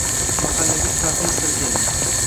Mahallaga professor keldi